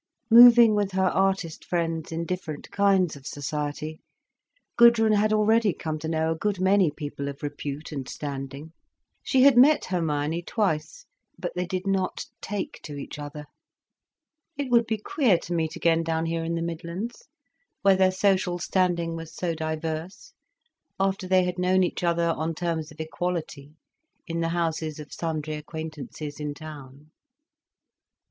Moving with her artist friends in different kinds of society, Gudrun had already come to know a good many people of repute and standing. She had met Hermione twice, but they did not take to each other. It would be queer to meet again down here in the Midlands, where their social standing was so diverse, after they had known each other on terms of equality in the houses of sundry acquaintances in town.